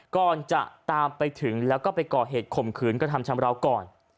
ก่อนจะตามไปถึงแล้วก็ไปก่อเหตุข่มขืนกระทำชำราวก่อน